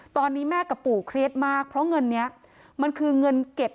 ตอนนี้แม่กับปู่เครียดมากเพราะเงินนี้มันคือเงินเก็บ